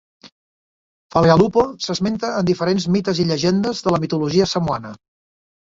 Falealupo s'esmenta en diferents mites i llegendes de la mitologia samoana.